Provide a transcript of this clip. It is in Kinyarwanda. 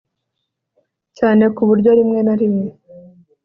cyane ku buryo rimwe na rimwe